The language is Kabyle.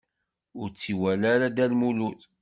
Ur tt-iwala ara Dda Lmulud.